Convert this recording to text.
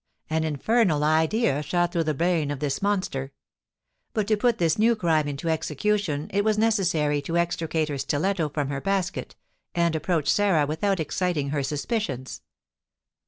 An infernal idea shot through the brain of this monster. But to put this new crime into execution it was necessary to extricate her stiletto from her basket, and approach Sarah without exciting her suspicions.